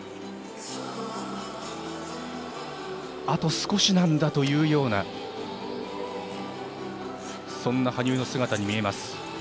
あと少しなんだというようなそんな羽生の姿に見えます。